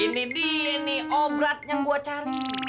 ini dia ini obat yang gue cari